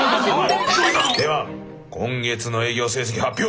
では今月の営業成績発表。